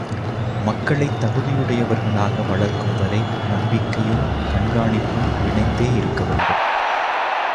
மக்களைத் தகுதியுடையவர்களாக வளர்க்கும் வரை நம்பிக்கையும் கண்காணிப்பும் இணைந்தே இருக்கவேண்டும்.